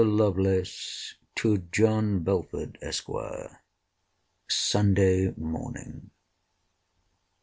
LOVELACE, TO JOHN BELFORD, ESQ. SUNDAY MORNING.